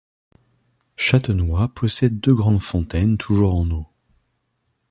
Châtenois possède deux grandes fontaines toujours en eau.